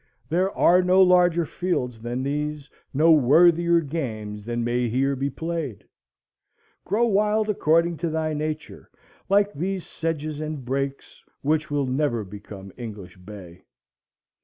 There are no larger fields than these, no worthier games than may here be played. Grow wild according to thy nature, like these sedges and brakes, which will never become English hay.